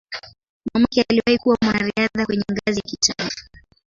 Mamake aliwahi kuwa mwanariadha kwenye ngazi ya kitaifa.